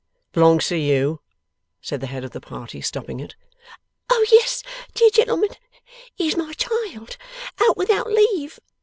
'Belongs to you?' said the head of the party, stopping it. 'O yes, dear gentlemen, he's my child, out without leave.